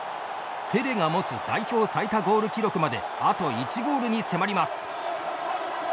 ペレが持つ代表最多ゴール記録まであと１ゴールに迫ります。